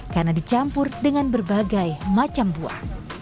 karena dicampur dengan berbagai macam buah